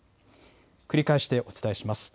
繰り返してお伝えします。